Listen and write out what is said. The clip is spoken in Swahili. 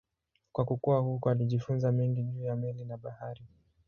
Kwa kukua huko alijifunza mengi juu ya meli na bahari.